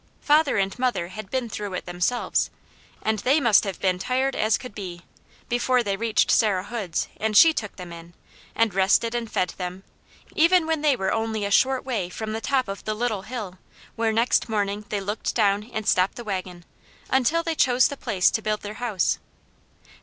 Father and mother had been through it themselves, and they must have been tired as could be, before they reached Sarah Hood's and she took them in, and rested and fed them, even when they were only a short way from the top of the Little Hill, where next morning they looked down and stopped the wagon, until they chose the place to build their house.